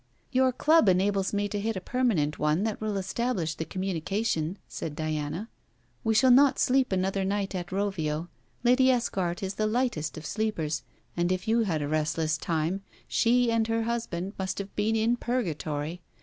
'Your Club enables me to hit a permanent one that will establish the communication,' said Diana. 'We shall not sleep another night at Rovio. Lady Esquart is the lightest of sleepers, and if you had a restless time, she and her husband must have been in purgatory.